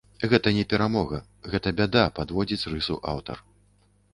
Гэта не перамога, гэта бяда, падводзіць рысу аўтар.